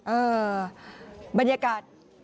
เออบรรยากาศ